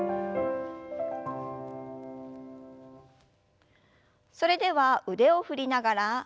それでは腕を振りながら背中を丸く。